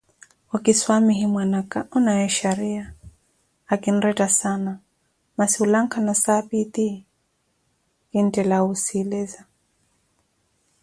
Okiswamihe mwana aka, onaawe xariya, akinretta saana, masi olankha nasaapi eti kinttela wusileza.